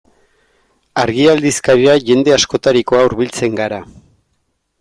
Argia aldizkarira jende askotarikoa hurbiltzen gara.